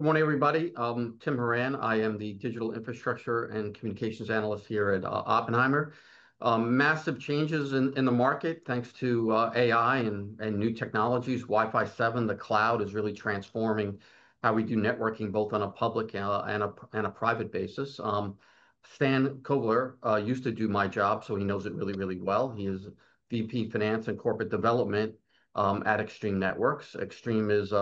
Good morning, everybody. I'm Tim Horan. I am the Digital Infrastructure and Communications Analyst here at Oppenheimer. Massive changes in the market thanks to AI and new technologies. Wi-Fi 7, the cloud is really transforming how we do networking both on a public and a private basis. Stan Kovler used to do my job, so he knows it really, really well. He is VP Finance and Corporate Development at Extreme Networks. Extreme is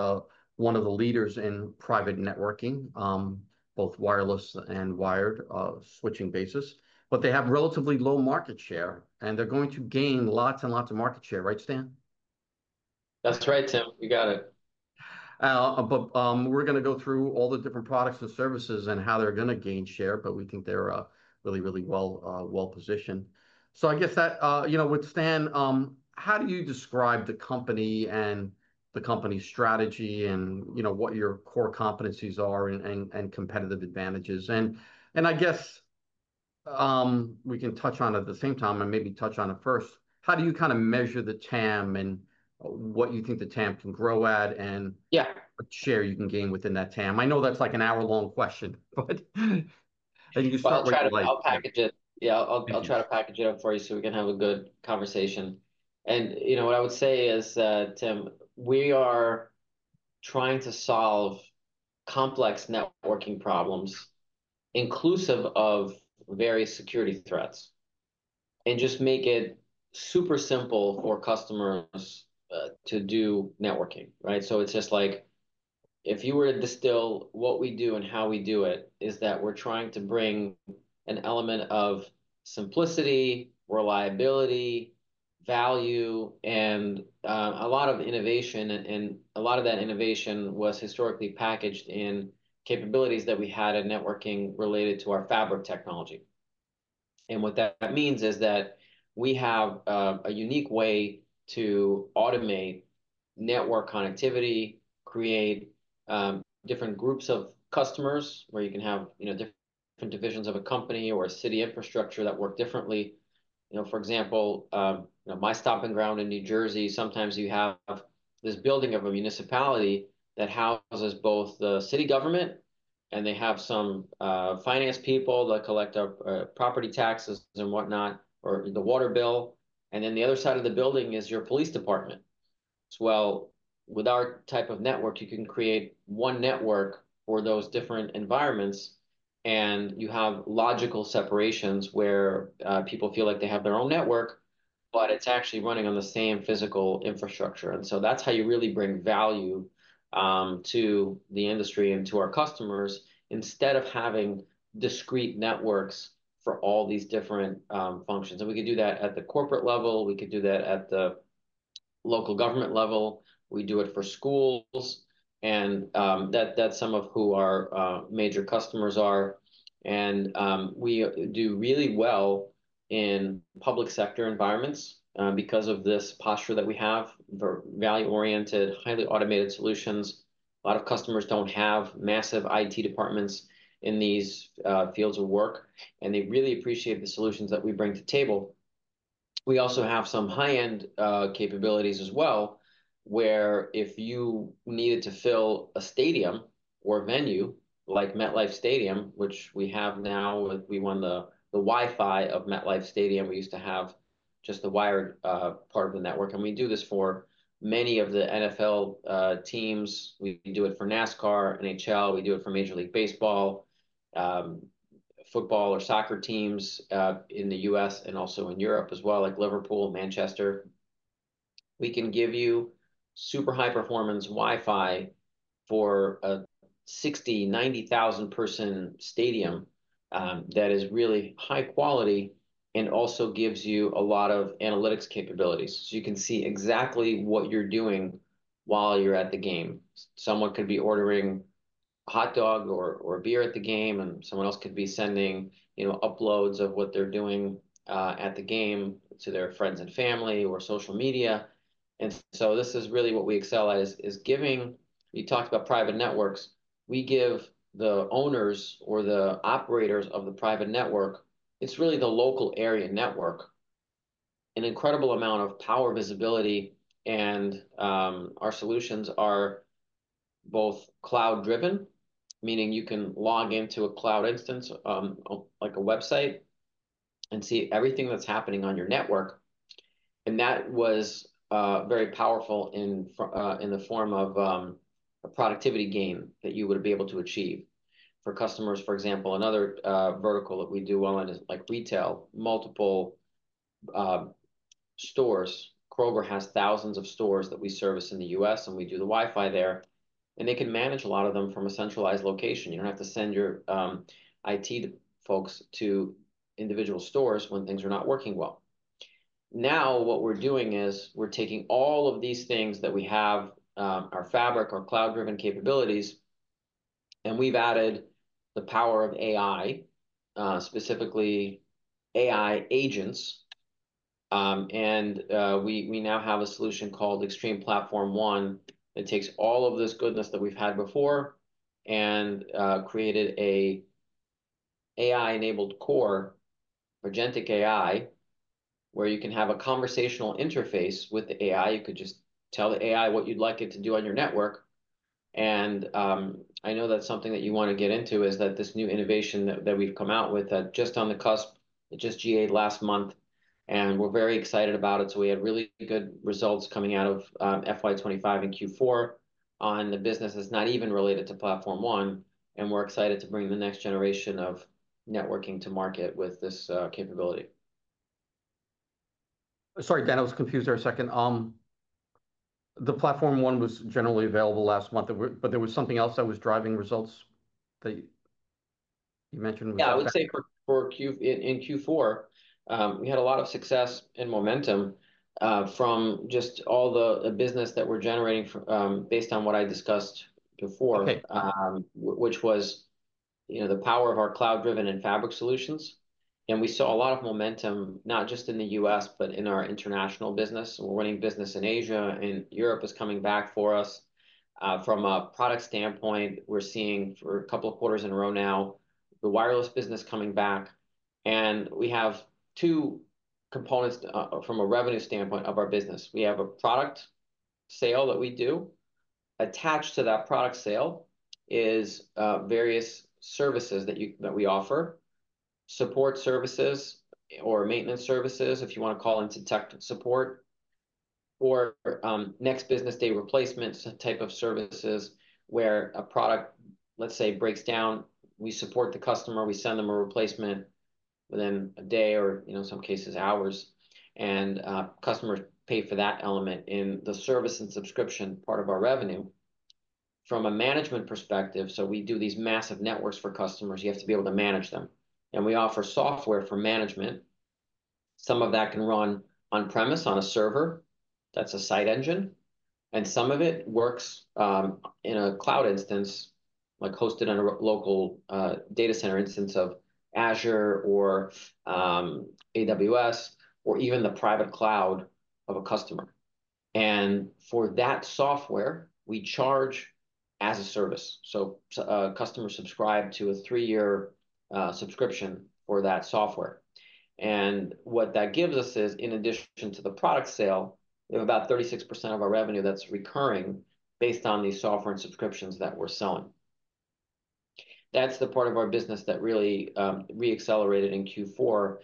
one of the leaders in private networking, both wireless and wired, switching basis. They have relatively low market share, and they're going to gain lots and lots of market share, right, Stan? That's right, Tim. You got it. We're going to go through all the different products and services and how they're going to gain share. We think they're really, really well positioned. I guess with Stan, how do you describe the company and the company's strategy and what your core competencies are and competitive advantages? I guess we can touch on it at the same time and maybe touch on it first. How do you kind of measure the TAM and what you think the TAM can grow at and, yeah, share you can gain within that TAM? I know that's like an hour-long question, but I can just tell it. I'll package it. I'll try to package it up for you so we can have a good conversation. What I would say is, Tim, we are trying to solve complex networking problems inclusive of various security threats and just make it super simple for customers to do networking, right? If you were to distill what we do and how we do it, we are trying to bring an element of simplicity, reliability, value, and a lot of innovation. A lot of that innovation was historically packaged in capabilities that we had in networking related to our fabric technology. What that means is that we have a unique way to automate network connectivity, create different groups of customers where you can have different divisions of a company or a city infrastructure that work differently. For example, my stomping ground in New Jersey, sometimes you have this building of a municipality that houses both the city government and they have some finance people that collect property taxes and whatnot, or the water bill. The other side of the building is your police department. With our type of network, you can create one network for those different environments. You have logical separations where people feel like they have their own network, but it's actually running on the same physical infrastructure. That's how you really bring value to the industry and to our customers instead of having discrete networks for all these different functions. We could do that at the corporate level. We could do that at the local government level. We do it for schools. That's some of who our major customers are. We do really well in public sector environments because of this posture that we have for value-oriented, highly automated solutions. A lot of customers don't have massive IT departments in these fields of work, and they really appreciate the solutions that we bring to the table. We also have some high-end capabilities as well, where if you needed to fill a stadium or venue like MetLife Stadium, which we have now, we won the Wi-Fi of MetLife Stadium. We used to have just the wired part of the network. We do this for many of the NFL teams. We can do it for NASCAR, NHL. We do it for Major League Baseball, football or soccer teams in the U.S. and also in Europe as well, like Liverpool, Manchester. We can give you super high performance Wi-Fi for a 60,000, 90,000 person stadium that is really high quality and also gives you a lot of analytics capabilities. You can see exactly what you're doing while you're at the game. Someone could be ordering a hot dog or a beer at the game, and someone else could be sending uploads of what they're doing at the game to their friends and family or social media. This is really what we excel at, giving, you talked about private networks. We give the owners or the operators of the private network, it's really the local area network, an incredible amount of power and visibility, and our solutions are both cloud-driven, meaning you can log into a cloud instance, like a website, and see everything that's happening on your network. That was very powerful in the form of a productivity gain that you would be able to achieve. For customers, for example, another vertical that we do well in is retail, multiple stores. Kroger has thousands of stores that we service in the U.S., and we do the Wi-Fi there. They can manage a lot of them from a centralized location. You don't have to send your IT folks to individual stores when things are not working well. Now what we're doing is we're taking all of these things that we have, our fabric, our cloud-driven capabilities, and we've added the power of AI, specifically AI agents. We now have a solution called Extreme Platform One. It takes all of this goodness that we've had before and created an AI-enabled core, Agentic AI, where you can have a conversational interface with the AI. You could just tell the AI what you'd like it to do on your network. I know that's something that you want to get into, this new innovation that we've come out with that is just on the cusp, it just GA'd last month, and we're very excited about it. We had really good results coming out of FY2025 and Q4 on the businesses not even related to Platform One, and we're excited to bring the next generation of networking to market with this capability. Sorry, Stan, I was confused there a second. The Platform One was generally available last month, but there was something else that was driving results that you mentioned? Yeah, I would say in Q4, we had a lot of success and momentum from just all the business that we're generating based on what I discussed before, which was the power of our cloud-driven and fabric solutions. We saw a lot of momentum not just in the U.S., but in our international business. We're running business in Asia, and Europe is coming back for us. From a product standpoint, we're seeing for a couple of quarters in a row now the wireless business coming back. We have two components from a revenue standpoint of our business. We have a product sale that we do. Attached to that product sale is various services that we offer, support services or maintenance services if you want to call into tech support, or next business day replacements type of services where a product, let's say, breaks down. We support the customer. We send them a replacement within a day or, in some cases, hours. Customers pay for that element in the service and subscription part of our revenue. From a management perspective, we do these massive networks for customers. You have to be able to manage them. We offer software for management. Some of that can run on-premise on a server. That's a site engine. Some of it works in a cloud instance, like hosted on a local data center instance of Azure or AWS or even the private cloud of a customer. For that software, we charge as a service. Customers subscribe to a three-year subscription for that software. What that gives us is, in addition to the product sale, we have about 36% of our revenue that's recurring based on the software and subscriptions that we're selling. That's the part of our business that really re-accelerated in Q4.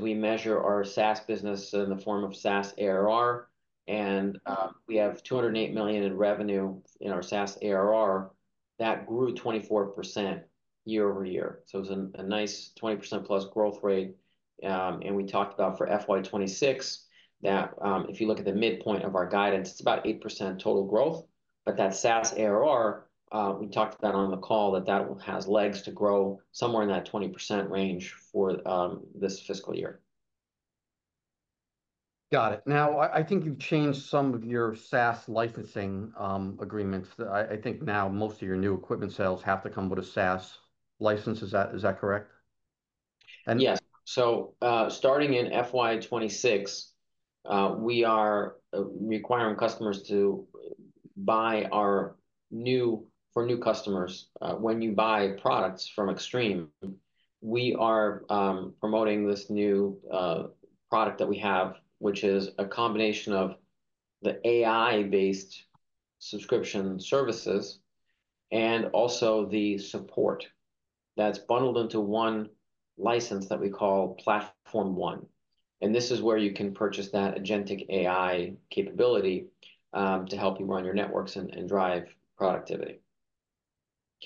We measure our SaaS business in the form of SaaS ARR. We have $208 million in revenue in our SaaS ARR that grew 24% year-over-year. It was a nice 20% plus growth rate. We talked about for FY2026 that if you look at the midpoint of our guidance, it's about 8% total growth. That SaaS ARR, we talked about on the call, has legs to grow somewhere in that 20% range for this fiscal year. Got it. Now, I think you've changed some of your SaaS licensing agreements. I think now most of your new equipment sales have to come with a SaaS license. Is that correct? Starting in FY2026, we are requiring customers to buy our new, for new customers, when you buy products from Extreme, we are promoting this new product that we have, which is a combination of the AI-based subscription services and also the support that's bundled into one license that we call Extreme Platform One. This is where you can purchase that Agentic AI capability to help you run your networks and drive productivity.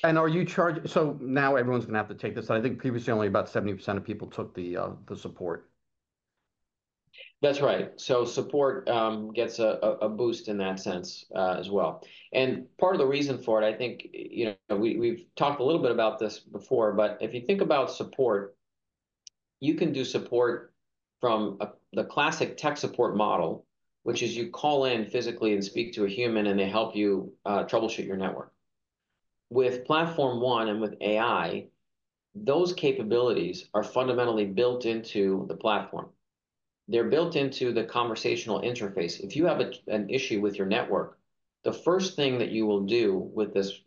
Are you charging? Now everyone's going to have to take this. I think previously only about 70% of people took the support. That's right. Support gets a boost in that sense as well. Part of the reason for it, I think, we've talked a little bit about this before, but if you think about support, you can do support from the classic tech support model, which is you call in physically and speak to a human, and they help you troubleshoot your network. With Platform One and with AI, those capabilities are fundamentally built into the platform. They're built into the conversational interface. If you have an issue with your network, the first thing that you will do with this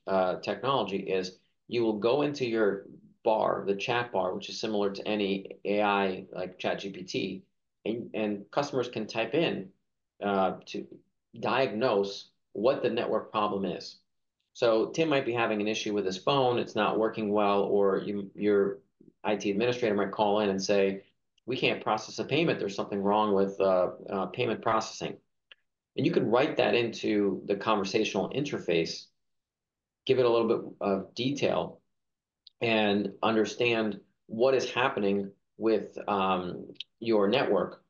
technology is you will go into your bar, the chat bar, which is similar to any AI like ChatGPT, and customers can type in to diagnose what the network problem is. Tim might be having an issue with his phone. It's not working well, or your IT administrator might call in and say, "We can't process a payment. There's something wrong with payment processing." You can write that into the conversational interface, give it a little bit of detail, and understand what is happening with your network.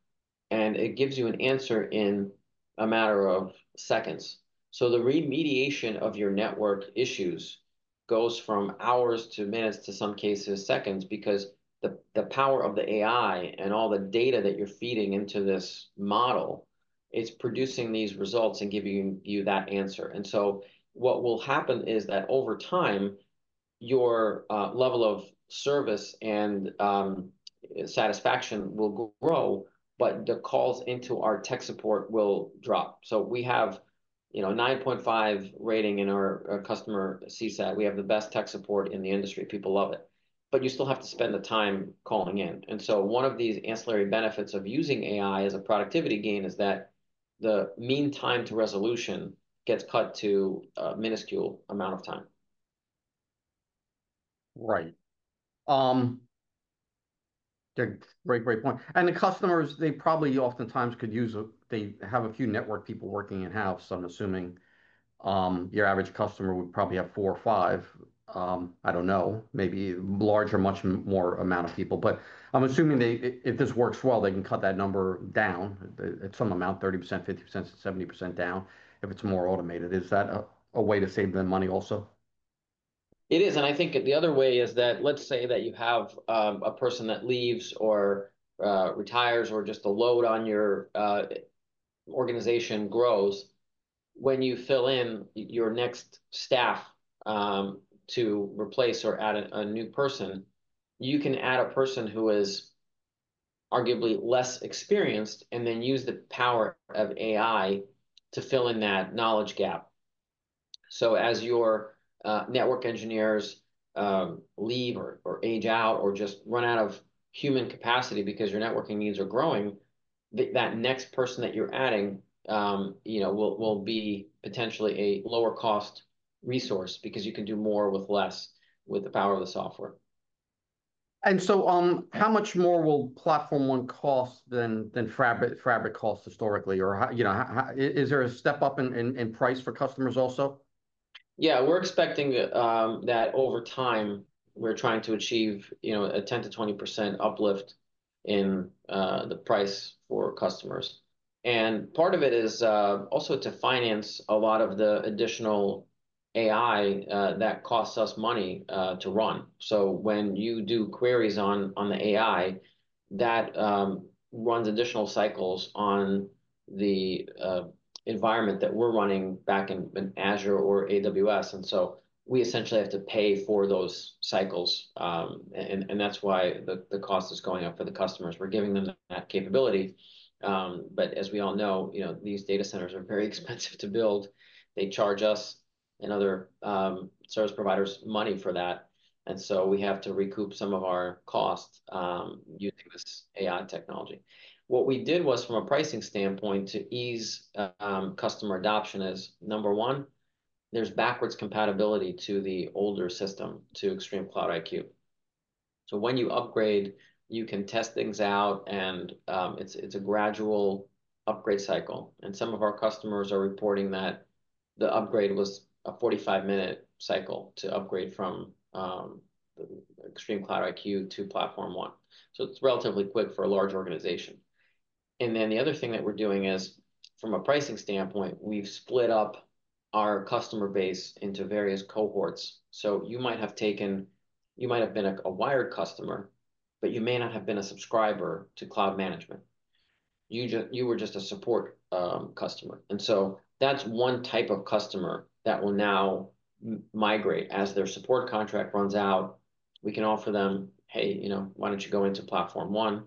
It gives you an answer in a matter of seconds. The remediation of your network issues goes from hours to minutes, to some cases, seconds, because the power of the AI and all the data that you're feeding into this model, it's producing these results and giving you that answer. What will happen is that over time, your level of service and satisfaction will grow, but the calls into our tech support will drop. We have a 9.5 rating in our customer CSAT. We have the best tech support in the industry. People love it. You still have to spend the time calling in. One of these ancillary benefits of using AI as a productivity gain is that the mean time to resolution gets cut to a minuscule amount of time. Right. That's a great, great point. The customers, they probably oftentimes could use it. They have a few network people working in-house, so I'm assuming your average customer would probably have four or five. I don't know. Maybe a larger, much more amount of people. I'm assuming if this works well, they can cut that number down at some amount, 30%, 50%, 70% down if it's more automated. Is that a way to save them money also? It is. I think the other way is that let's say that you have a person that leaves or retires or just a load on your organization grows. When you fill in your next staff to replace or add a new person, you can add a person who is arguably less experienced and then use the power of AI to fill in that knowledge gap. As your network engineers leave or age out or just run out of human capacity because your networking needs are growing, that next person that you're adding will be potentially a lower cost resource because you can do more with less with the power of the software. How much more will Extreme Platform One cost than fabric cost historically? Is there a step up in price for customers also? Yeah, we're expecting that over time, we're trying to achieve a 10%-20% uplift in the price for customers. Part of it is also to finance a lot of the additional AI that costs us money to run. When you do queries on the AI, that runs additional cycles on the environment that we're running back in Azure or AWS. We essentially have to pay for those cycles. That's why the cost is going up for the customers. We're giving them that capability. As we all know, these data centers are very expensive to build. They charge us and other service providers money for that. We have to recoup some of our costs using this AI technology. What we did was from a pricing standpoint to ease customer adoption is, number one, there's backwards compatibility to the older system, to ExtremeCloud IQ. When you upgrade, you can test things out, and it's a gradual upgrade cycle. Some of our customers are reporting that the upgrade was a 45-minute cycle to upgrade from ExtremeCloud IQ to Extreme Platform One. It's relatively quick for a large organization. The other thing that we're doing is from a pricing standpoint, we've split up our customer base into various cohorts. You might have been a wired customer, but you may not have been a subscriber to cloud-driven management. You were just a support customer. That's one type of customer that will now migrate as their support contract runs out. We can offer them, "Hey, you know, why don't you go into Platform One?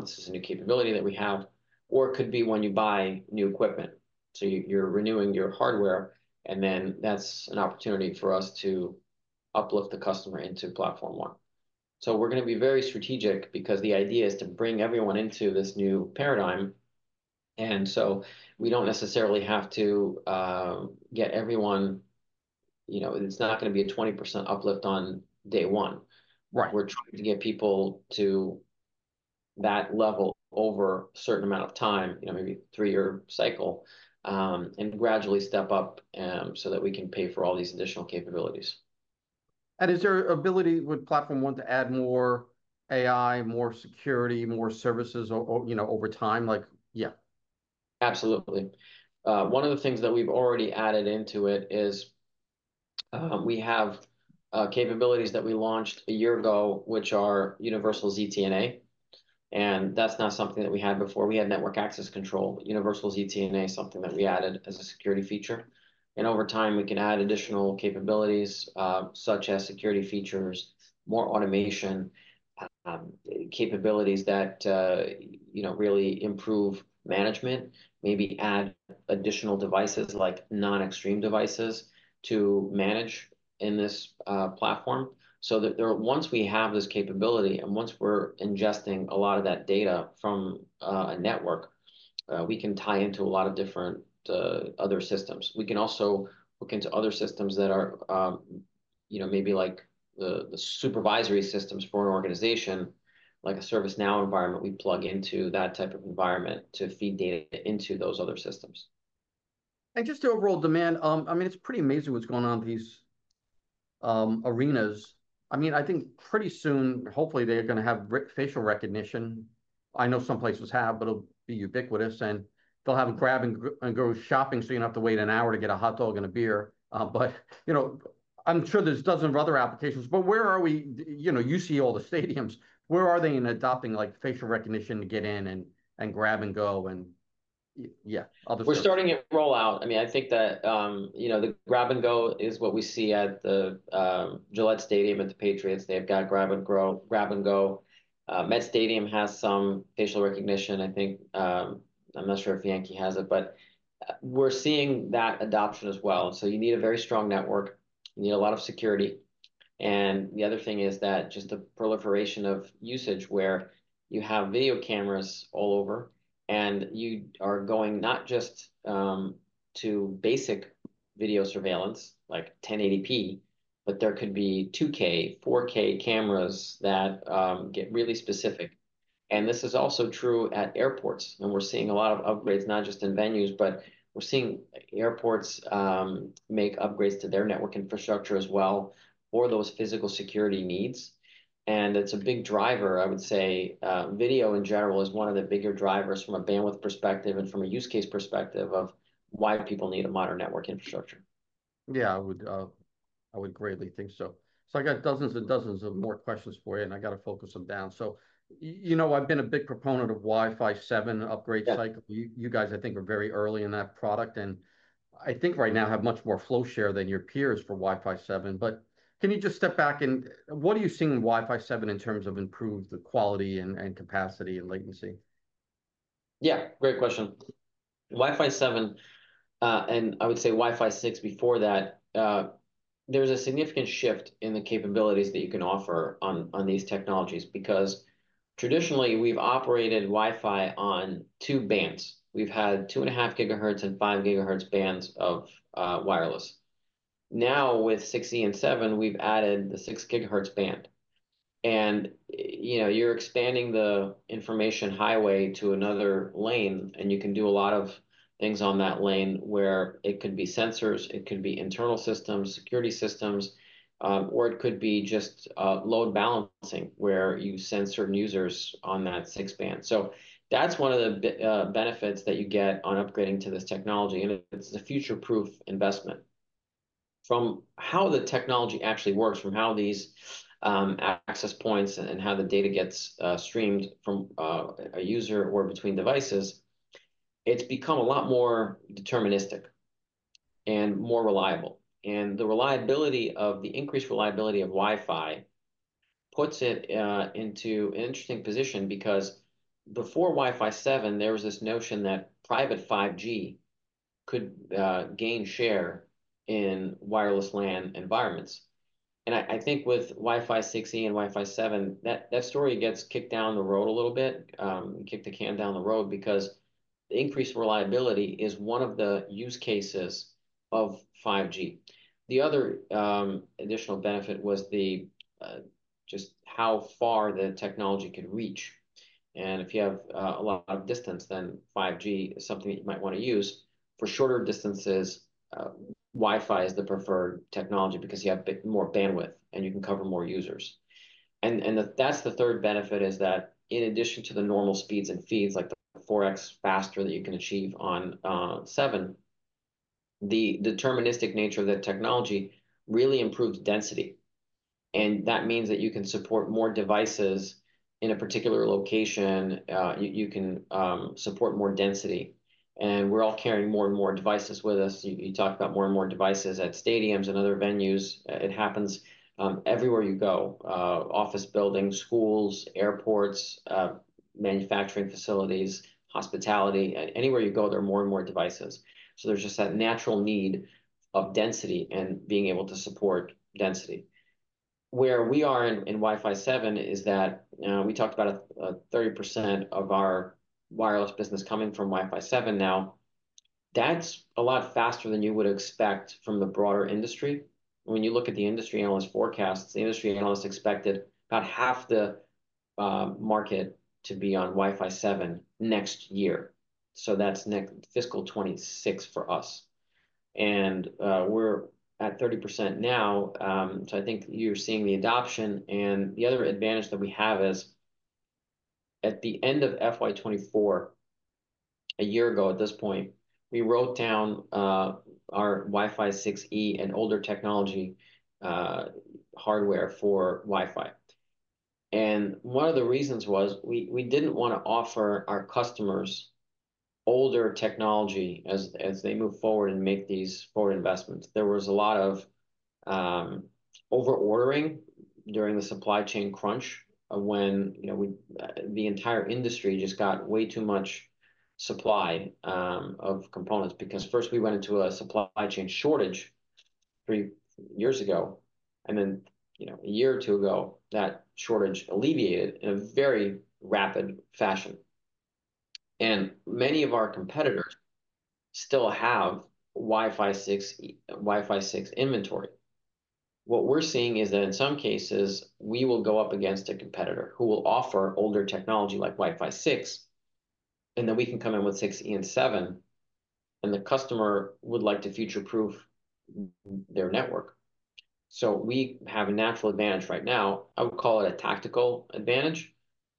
This is a new capability that we have." It could be when you buy new equipment. You're renewing your hardware, and that's an opportunity for us to uplift the customer into Platform One. We're going to be very strategic because the idea is to bring everyone into this new paradigm. We don't necessarily have to get everyone, you know, it's not going to be a 20% uplift on day one. We're trying to get people to that level over a certain amount of time, you know, maybe a three-year cycle, and gradually step up so that we can pay for all these additional capabilities. Is there an ability with Platform One to add more AI, more security, more services over time? Yeah. Absolutely. One of the things that we've already added into it is we have capabilities that we launched a year ago, which are Universal ZTNA. That's not something that we had before. We had network access control. Universal ZTNA is something that we added as a security feature. Over time, we can add additional capabilities, such as security features, more automation, capabilities that really improve management, maybe add additional devices like non-Extreme devices to manage in this platform. Once we have this capability and once we're ingesting a lot of that data from a network, we can tie into a lot of different other systems. We can also look into other systems that are maybe like the supervisory systems for our organization, like a ServiceNow environment. We plug into that type of environment to feed data into those other systems. Overall demand is pretty amazing in these arenas. I think pretty soon, hopefully, they're going to have facial recognition. I know some places have, but it'll be ubiquitous. They'll have grab and go shopping so you don't have to wait an hour to get a hot dog and a beer. I'm sure there's dozens of other applications. Where are we, you see all the stadiums. Where are they in adopting facial recognition to get in and grab and go and other things? We're starting to roll out. I mean, I think that, you know, the grab and go is what we see at the Gillette Stadium, at the Patriots. They've got grab and go. Met Stadium has some facial recognition. I think, I'm not sure if Yankee has it, but we're seeing that adoption as well. You need a very strong network. You need a lot of security. The other thing is just the proliferation of usage where you have video cameras all over. You are going not just to basic video surveillance, like 1080p, but there could be 2K, 4K cameras that get really specific. This is also true at airports. We're seeing a lot of upgrades, not just in venues, but we're seeing airports make upgrades to their network infrastructure as well for those physical security needs. It's a big driver, I would say. Video in general is one of the bigger drivers from a bandwidth perspective and from a use case perspective of why people need a modern network infrastructure. Yeah, I would greatly think so. I got dozens and dozens of more questions for you, and I got to focus them down. You know, I've been a big proponent of Wi-Fi 7 upgrade cycle. You guys, I think, are very early in that product. I think right now I have much more flow share than your peers for Wi-Fi 7. Can you just step back? What are you seeing in Wi-Fi 7 in terms of improved quality and capacity and latency? Yeah, great question. Wi-Fi 7, and I would say Wi-Fi 6 before that, there's a significant shift in the capabilities that you can offer on these technologies because traditionally, we've operated Wi-Fi on two bands. We've had 2.5 GW and 5 GW bands of wireless. Now, with 6E and 7, we've added the 6 GW band. You're expanding the information highway to another lane, and you can do a lot of things on that lane where it can be sensors, it can be internal systems, security systems, or it could be just load balancing where you send certain users on that 6 band. That's one of the benefits that you get on upgrading to this technology. It's a future-proof investment. From how the technology actually works, from how these access points and how the data gets streamed from a user or between devices, it's become a lot more deterministic and more reliable. The increased reliability of Wi-Fi puts it into an interesting position because before Wi-Fi 7, there was this notion that private 5G could gain share in wireless LAN environments. I think with Wi-Fi 6E and Wi-Fi 7, that story gets kicked down the road a little bit, kicked the can down the road because the increased reliability is one of the use cases of 5G. The other additional benefit was just how far the technology could reach. If you have a lot of distance, then 5G is something that you might want to use. For shorter distances, Wi-Fi is the preferred technology because you have more bandwidth and you can cover more users. The third benefit is that in addition to the normal speeds and feeds, like the 4x faster that you can achieve on 7, the deterministic nature of the technology really improves density. That means that you can support more devices in a particular location. You can support more density. We're all carrying more and more devices with us. You talk about more and more devices at stadiums and other venues. It happens everywhere you go, office buildings, schools, airports, manufacturing facilities, hospitality. Anywhere you go, there are more and more devices. There's just that natural need of density and being able to support density. Where we are in Wi-Fi 7 is that we talked about 30% of our wireless business coming from Wi-Fi 7 now. That's a lot faster than you would expect from the broader industry. When you look at the industry analyst forecasts, the industry analysts expected about half the market to be on Wi-Fi 7 next year. That's next fiscal 2026 for us, and we're at 30% now. I think you're seeing the adoption. The other advantage that we have is at the end of FY2024, a year ago at this point, we wrote down our Wi-Fi 6E and older technology hardware for Wi-Fi. One of the reasons was we didn't want to offer our customers older technology as they move forward and make these forward investments. There was a lot of over-ordering during the supply chain crunch when the entire industry just got way too much supply of components because first we went into a supply chain shortage three years ago. A year or two ago, that shortage alleviated in a very rapid fashion. Many of our competitors still have Wi-Fi 6 inventory. What we're seeing is that in some cases, we will go up against a competitor who will offer older technology like Wi-Fi 6. We can come in with 6E and 7, and the customer would like to future-proof their network. We have a natural advantage right now. I would call it a tactical advantage.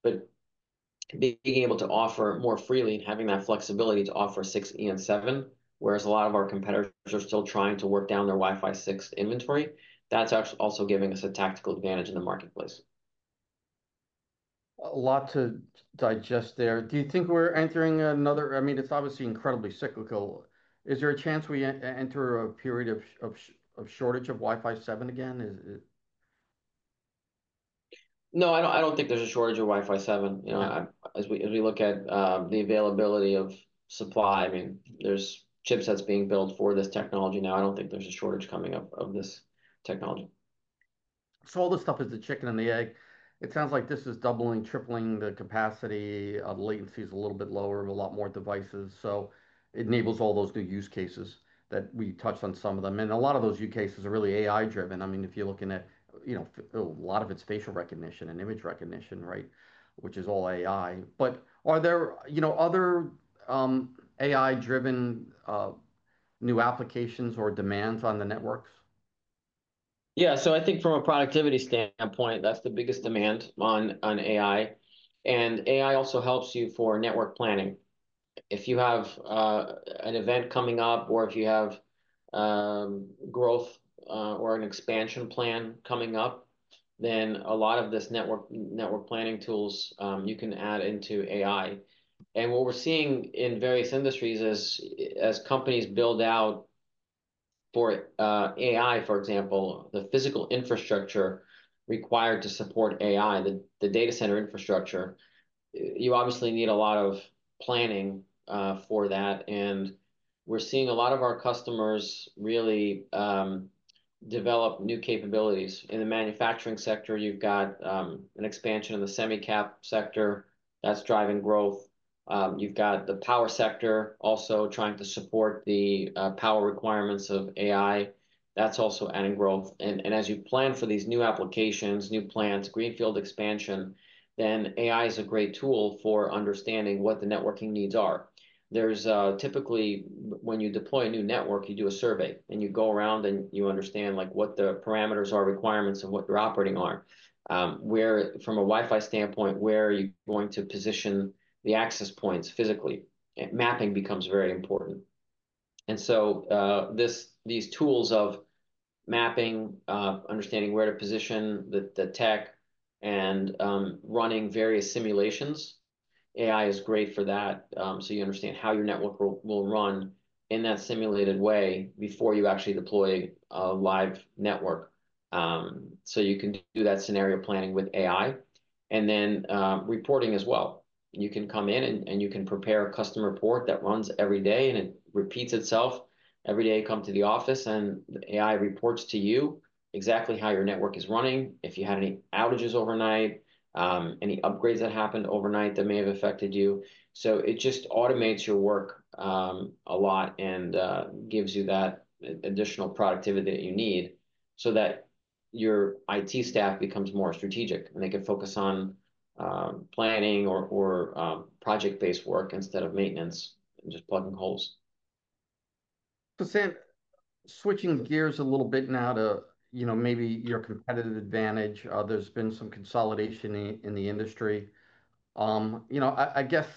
Being able to offer more freely, having that flexibility to offer 6E and 7, whereas a lot of our competitors are still trying to work down their Wi-Fi 6 inventory, that's also giving us a tactical advantage in the marketplace. A lot to digest there. Do you think we're entering another, I mean, it's obviously incredibly cyclical. Is there a chance we enter a period of shortage of Wi-Fi 7 again? No, I don't think there's a shortage of Wi-Fi 7. As we look at the availability of supply, there's chips that's being built for this technology now. I don't think there's a shortage coming up of this technology. All this stuff is the chicken and the egg. It sounds like this is doubling, tripling the capacity. Latency is a little bit lower with a lot more devices. It enables all those new use cases that we touched on, some of them. A lot of those use cases are really AI-driven. I mean, if you're looking at, you know, a lot of it's facial recognition and image recognition, right, which is all AI. Are there, you know, other AI-driven new applications or demands on the networks? Yeah, so I think from a productivity standpoint, that's the biggest demand on AI. AI also helps you for network planning. If you have an event coming up or if you have growth or an expansion plan coming up, a lot of these network planning tools you can add into AI. What we're seeing in various industries is as companies build out for AI, for example, the physical infrastructure required to support AI, the data center infrastructure, you obviously need a lot of planning for that. We're seeing a lot of our customers really develop new capabilities. In the manufacturing sector, you've got an expansion in the semi-cap sector. That's driving growth. You've got the power sector also trying to support the power requirements of AI. That's also adding growth. As you plan for these new applications, new plans, greenfield expansion, AI is a great tool for understanding what the networking needs are. Typically, when you deploy a new network, you do a survey and you go around and you understand what the parameters are, requirements of what you're operating on. From a Wi-Fi standpoint, where are you going to position the access points physically? Mapping becomes very important. These tools of mapping, understanding where to position the tech, and running various simulations, AI is great for that. You understand how your network will run in that simulated way before you actually deploy a live network. You can do that scenario planning with AI. Reporting as well, you can come in and you can prepare a custom report that runs every day and it repeats itself every day. Come to the office and the AI reports to you exactly how your network is running, if you had any outages overnight, any upgrades that happened overnight that may have affected you. It just automates your work a lot and gives you that additional productivity that you need so that your IT staff becomes more strategic and they can focus on planning or project-based work instead of maintenance and just plugging holes. Switching gears a little bit now to maybe your competitive advantage, there's been some consolidation in the industry. I guess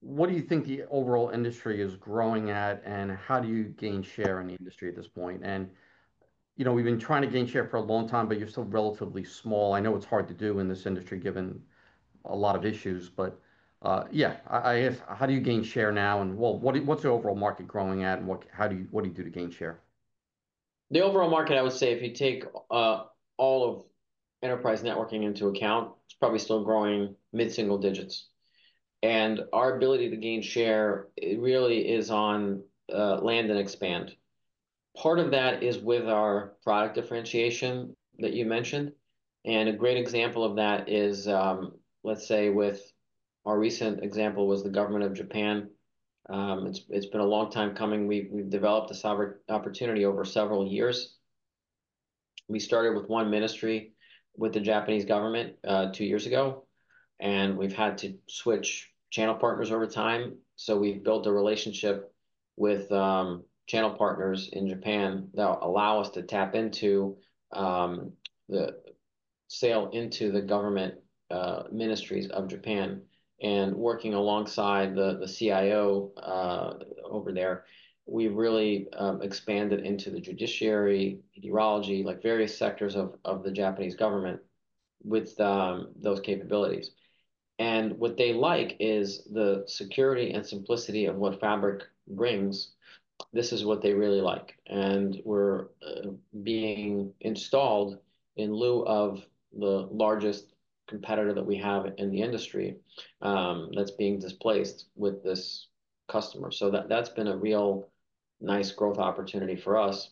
what do you think the overall industry is growing at and how do you gain share in the industry at this point? We've been trying to gain share for a long time, but you're still relatively small. I know it's hard to do in this industry given a lot of issues, but yeah, how do you gain share now and what's the overall market growing at and what do you do to gain share? The overall market, I would say if you take all of enterprise networking into account, it's probably still growing mid-single digits. Our ability to gain share really is on land and expand. Part of that is with our product differentiation that you mentioned. A great example of that is, let's say, with our recent example was the government of Japan. It's been a long time coming. We've developed a sovereign opportunity over several years. We started with one ministry with the Japanese government two years ago, and we've had to switch channel partners over time. We've built a relationship with channel partners in Japan that allow us to tap into the sale into the government ministries of Japan and working alongside the CIO over there. We've really expanded into the judiciary, theology, like various sectors of the Japanese government with those capabilities. What they like is the security and simplicity of what fabric brings. This is what they really like. We're being installed in lieu of the largest competitor that we have in the industry that's being displaced with this customer. That's been a real nice growth opportunity for us.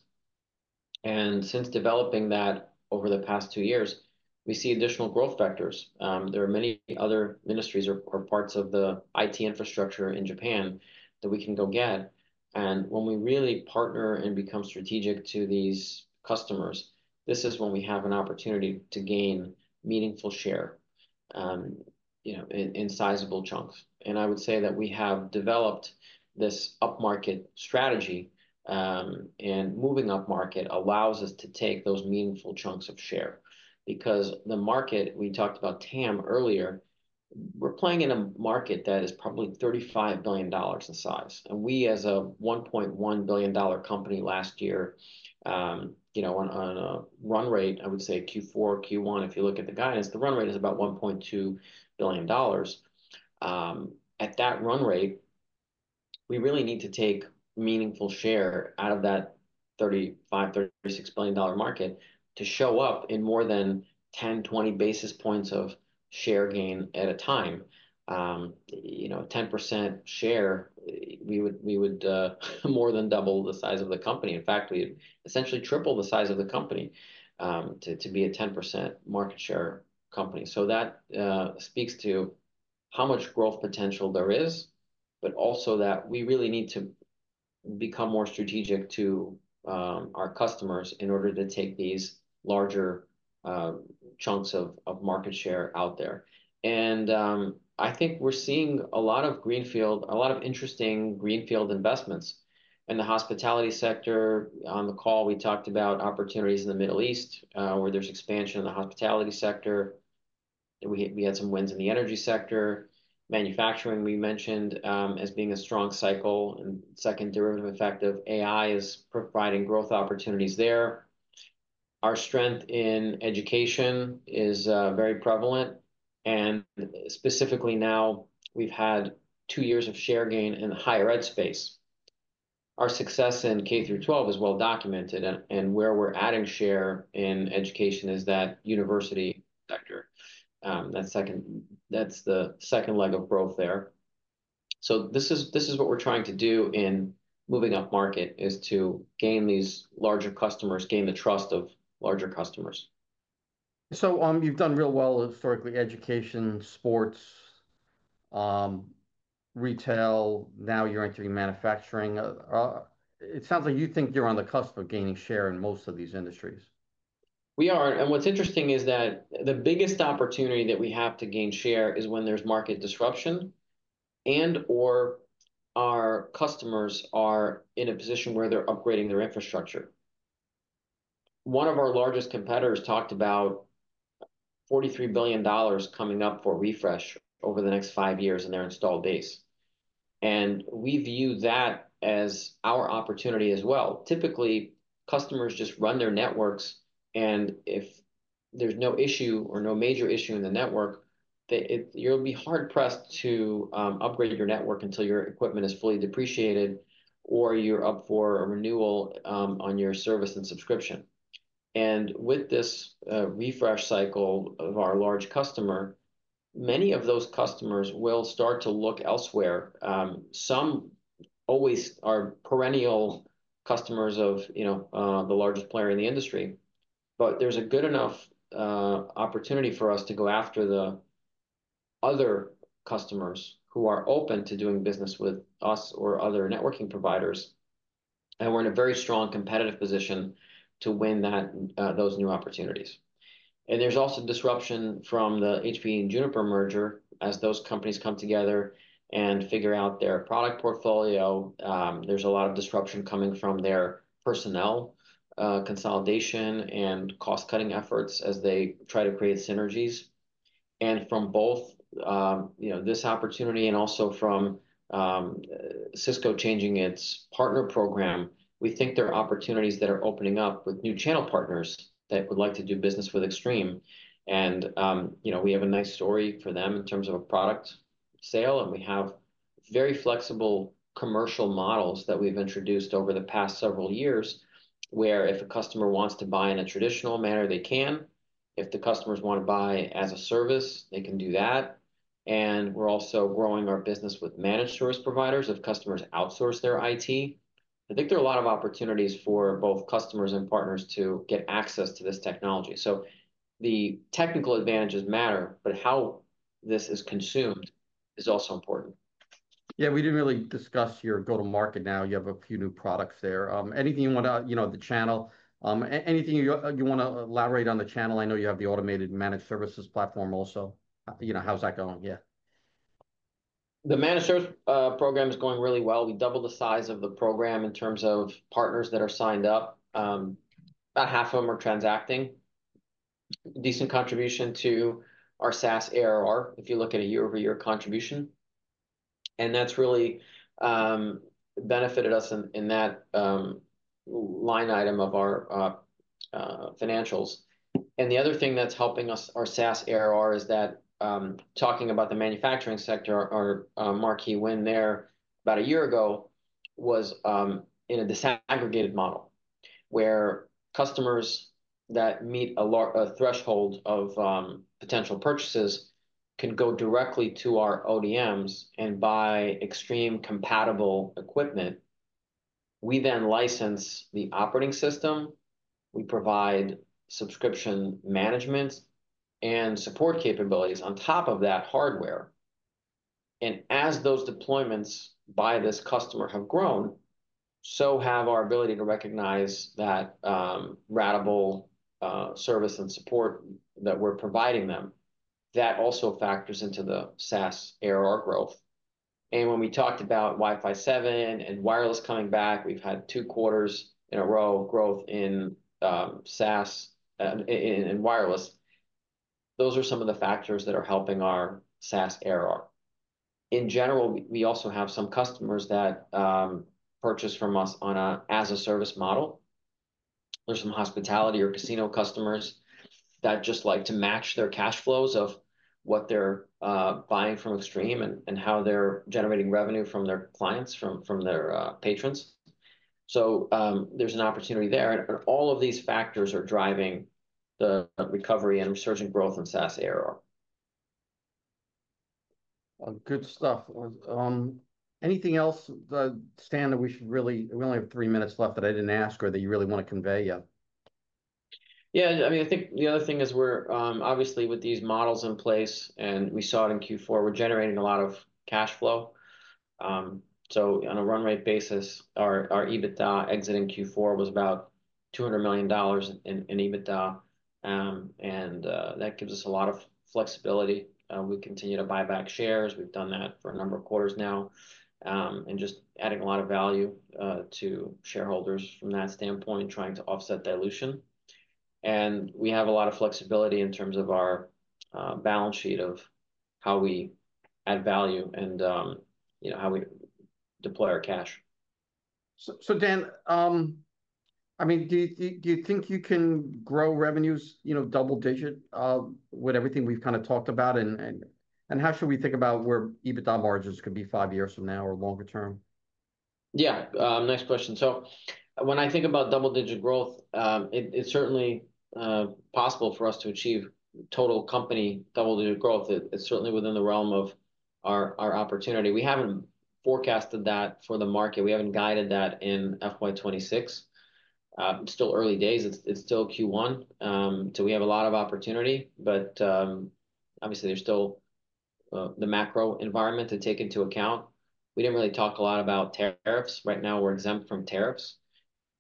Since developing that over the past two years, we see additional growth vectors. There are many other ministries or parts of the IT infrastructure in Japan that we can go get. When we really partner and become strategic to these customers, this is when we have an opportunity to gain meaningful share in sizable chunks. I would say that we have developed this upmarket strategy, and moving upmarket allows us to take those meaningful chunks of share because the market we talked about TAM earlier, we're playing in a market that is probably $35 billion in size. We as a $1.1 billion company last year, you know, on a run rate, I would say Q4, Q1, if you look at the guidance, the run rate is about $1.2 billion. At that run rate, we really need to take meaningful share out of that $35, $36 billion market to show up in more than 10, 20 basis points of share gain at a time. You know, 10% share, we would more than double the size of the company. In fact, we'd essentially triple the size of the company to be a 10% market share company. That speaks to how much growth potential there is, but also that we really need to become more strategic to our customers in order to take these larger chunks of market share out there. We are seeing a lot of greenfield, a lot of interesting greenfield investments in the hospitality sector. On the call, we talked about opportunities in the Middle East where there is expansion in the hospitality sector. We had some wins in the energy sector. Manufacturing, we mentioned as being a strong cycle, and a second derivative effect of AI is providing growth opportunities there. Our strength in education is very prevalent. Specifically now, we've had two years of share gain in the higher ed space. Our success in K through 12 is well documented. Where we're adding share in education is that university sector. That's the second leg of growth there. This is what we're trying to do in moving up market, to gain these larger customers, gain the trust of larger customers. You've done real well historically in education, sports, retail. Now you're entering manufacturing. It sounds like you think you're on the cusp of gaining share in most of these industries. We are. What's interesting is that the biggest opportunity that we have to gain share is when there's market disruption or our customers are in a position where they're upgrading their infrastructure. One of our largest competitors talked about $43 billion coming up for refresh over the next five years in their installed base. We view that as our opportunity as well. Typically, customers just run their networks. If there's no issue or no major issue in the network, you'll be hard-pressed to upgrade your network until your equipment is fully depreciated or you're up for a renewal on your service and subscription. With this refresh cycle of our large customer, many of those customers will start to look elsewhere. Some always are perennial customers of the largest player in the industry. There's a good enough opportunity for us to go after the other customers who are open to doing business with us or other networking providers. We're in a very strong competitive position to win those new opportunities. There's also disruption from the HP and Juniper merger. As those companies come together and figure out their product portfolio, there's a lot of disruption coming from their personnel consolidation and cost-cutting efforts as they try to create synergies. From both this opportunity and also from Cisco changing its partner program, we think there are opportunities that are opening up with new channel partners that would like to do business with Extreme. We have a nice story for them in terms of a product sale. We have very flexible commercial models that we've introduced over the past several years where if a customer wants to buy in a traditional manner, they can. If the customers want to buy as a service, they can do that. We're also growing our business with managed service providers if customers outsource their IT. I think there are a lot of opportunities for both customers and partners to get access to this technology. The technical advantages matter, but how this is consumed is also important. Yeah, we didn't really discuss your go-to-market now. You have a few new products there. Anything you want to, you know, the channel, anything you want to elaborate on the channel? I know you have the automated managed services program also. You know, how's that going? Yeah. The managed services program is going really well. We doubled the size of the program in terms of partners that are signed up. About half of them are transacting. Decent contribution to our SaaS ARR if you look at a year-over-year contribution. That's really benefited us in that line item of our financials. The other thing that's helping us, our SaaS ARR, is that talking about the manufacturing sector, our marquee win there about a year ago was in a disaggregated model where customers that meet a threshold of potential purchases can go directly to our ODMs and buy Extreme compatible equipment. We then license the operating system. We provide subscription management and support capabilities on top of that hardware. As those deployments by this customer have grown, so have our ability to recognize that ratable service and support that we're providing them. That also factors into the SaaS ARR growth. When we talked about Wi-Fi 7 and wireless coming back, we've had two quarters in a row growth in SaaS and wireless. Those are some of the factors that are helping our SaaS ARR. In general, we also have some customers that purchase from us on an as-a-service model. There's some hospitality or casino customers that just like to match their cash flows of what they're buying from Extreme and how they're generating revenue from their clients, from their patrons. There's an opportunity there. All of these factors are driving the recovery and resurgent growth in SaaS ARR. Good stuff. Anything else, Stan, that we should really, we only have three minutes left, but I didn't ask or that you really want to convey yet? Yeah, I mean, I think the other thing is we're obviously with these models in place, and we saw it in Q4, we're generating a lot of cash flow. On a run-rate basis, our EBITDA exit in Q4 was about $200 million in EBITDA. That gives us a lot of flexibility. We continue to buy back shares. We've done that for a number of quarters now, just adding a lot of value to shareholders from that standpoint, trying to offset dilution. We have a lot of flexibility in terms of our balance sheet of how we add value and how we deploy our cash. Dan, I mean, do you think you can grow revenues double-digit with everything we've kind of talked about? How should we think about where EBITDA margins could be five years from now or longer term? Yeah, nice question. When I think about double-digit growth, it's certainly possible for us to achieve total company double-digit growth. It's certainly within the realm of our opportunity. We haven't forecasted that for the market. We haven't guided that in FY2026. It's still early days. It's still Q1. We have a lot of opportunity, but obviously, there's still the macro environment to take into account. We didn't really talk a lot about tariffs. Right now, we're exempt from tariffs.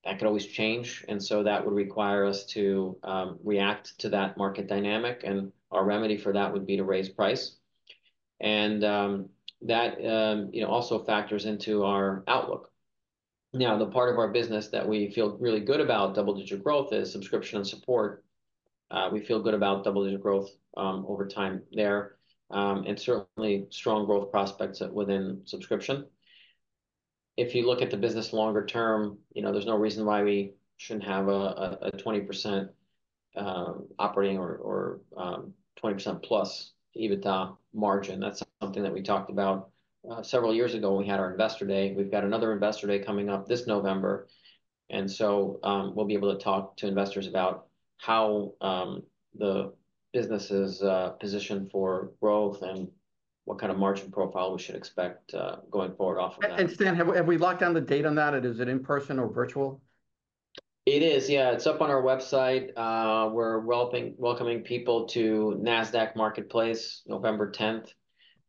That could always change. That would require us to react to that market dynamic. Our remedy for that would be to raise price. That also factors into our outlook. The part of our business that we feel really good about double-digit growth is subscription and support. We feel good about double-digit growth over time there, and certainly, strong growth prospects within subscription. If you look at the business longer term, there's no reason why we shouldn't have a 20% operating or 20%+ EBITDA margin. That's something that we talked about several years ago when we had our Investor Day. We've got another Investor Day coming up this November. We'll be able to talk to investors about how the business is positioned for growth and what kind of margin profile we should expect going forward off of that. Stan, have we locked down the date on that? Is it in-person or virtual? It is, yeah. It's up on our website. We're welcoming people to NASDAQ marketplace November 10th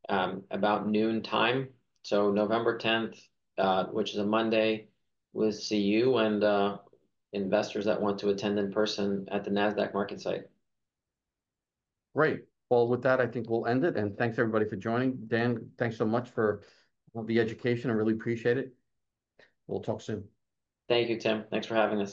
about noon time. November 10th, which is a Monday, we'll see you and investors that want to attend in person at the NASDAQ MarketSite. Great. With that, I think we'll end it. Thanks everybody for joining. Stan, thanks so much for the education. I really appreciate it. We'll talk soon. Thank you, Tim. Thanks for having us.